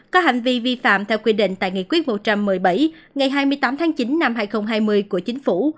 có hành vi vi phạm theo quy định tại nghị quyết một trăm một mươi bảy ngày hai mươi tám tháng chín năm hai nghìn hai mươi của chính phủ